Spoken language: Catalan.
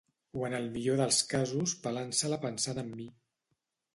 O en el millor dels casos pelant-se-la pensant en mi.